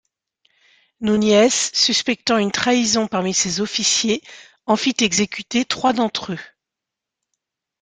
Núñez, suspectant une trahison parmi ses officiers, en fit exécuter trois d'entre eux.